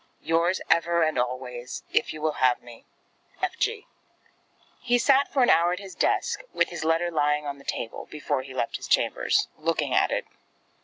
Yours ever and always, if you will have me, F. G. He sat for an hour at his desk, with his letter lying on the table, before he left his chambers, looking at it.